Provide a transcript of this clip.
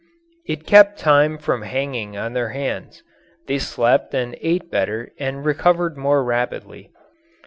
It kept time from hanging on their hands. They slept and ate better and recovered more rapidly.